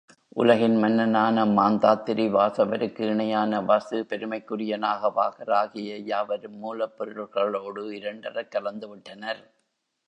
உலகின் மன்னனான மாந்தாத்திரி, வாசவருக்கு இணையான வசு, பெருமைக்குரிய நாகபாகர் ஆகிய யாவரும் மூலப்பொருள்களோடு இரண்டறக் கலந்து விட்டனர்.